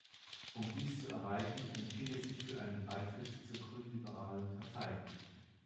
Um dies zu erreichen entschied er sich für einen Beitritt zur Grünliberalen Partei.